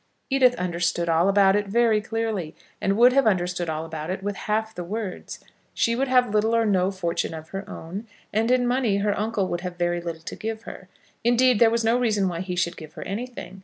Edith understood all about it very clearly, and would have understood all about it with half the words. She would have little or no fortune of her own, and in money her uncle would have very little to give to her. Indeed, there was no reason why he should give her anything.